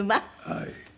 はい。